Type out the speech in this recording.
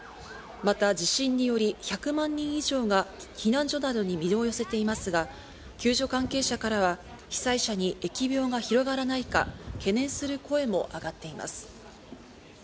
また地震により１００万人以上が避難所などに身を寄せていますが、救助関係者からは被災者に疫病が広がらないか、懸念する声も上がっています。